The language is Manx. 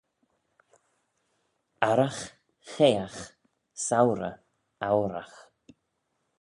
"Arragh chayeeagh, sourey ouyragh;"